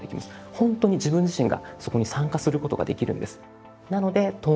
本当に自分自身がそこに参加することができるんです。